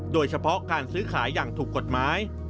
โดยเฉพาะการซื้อขายอย่างถูกกฎหมาย